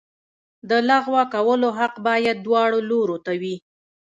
د لغوه کولو حق باید دواړو لورو ته وي.